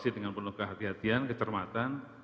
dengan penuh kehatian ketermatan